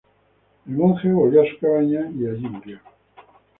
El monje volvió a su cabaña y murió allí.